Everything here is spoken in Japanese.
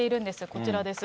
こちらです。